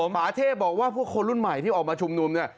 หมาเทพบอกว่าพวกคนรุ่นใหม่ที่ออกมาชุมนุมเนี่ย